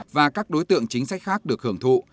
và các đối tượng chính sách khác được hưởng thụ